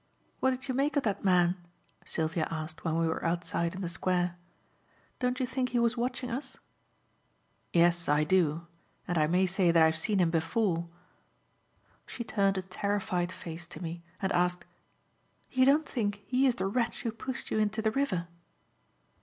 "What did you make of that man?" Sylvia asked when we were outside in the square. "Don't you think he was watching us?" "Yes, I do. And I may say that I have seen him before." She turned a terrified face to me and asked: "You don't think he is the wretch who pushed you into the river?"